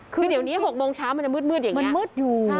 คือเดี๋ยวนี้๖โมงเช้ามันจะมืดอย่างนี้มันมืดอยู่